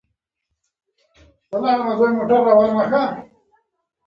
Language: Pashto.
د زاړه ښار له لویې دروازې باب العمود نه چې ننوځې.